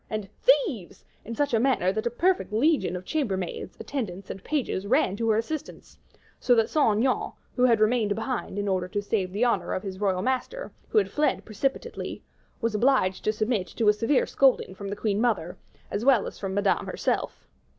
and "Thieves!" in such a manner that a perfect legion of chamber maids, attendants, and pages, ran to her assistance; so that Saint Aignan, who had remained behind in order to save the honor of his royal master, who had fled precipitately, was obliged to submit to a severe scolding from the queen mother, as well as from Madame herself.